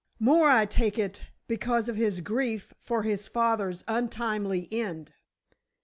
"More, I take it, because of his grief for his father's untimely end."